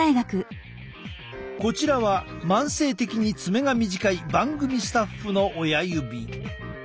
こちらは慢性的に爪が短い番組スタッフの親指。